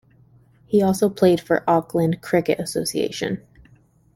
He also played for Auckland cricket association.